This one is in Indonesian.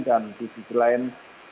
dan di sisi lain